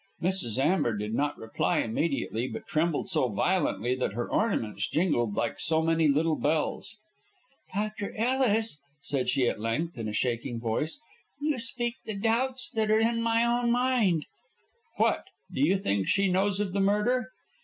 Mrs. Amber did not reply immediately, but trembled so violently that her ornaments jingled like so many little bells. "Dr. Ellis," said she at length, in a shaking voice, "you speak the doubts that are in my own mind." "What! Do you think she knows of the murder?"